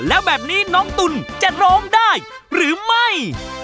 แล้วแบบนี้น้องตุ๋นจะร้องได้หรือไม่